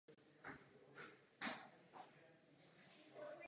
Během jeho advokacie vedl majetkové záležitosti církevních organizací.